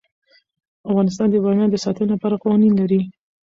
افغانستان د بامیان د ساتنې لپاره قوانین لري.